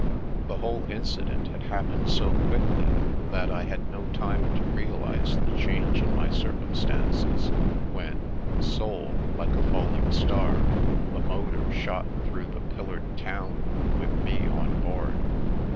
The whole incident had happened so quickly, that I had no time to realise the change in my circum stances, when, " sole, like a falling star," the motor 328 The Princess Passes '* shot through the pillared town " with me on board.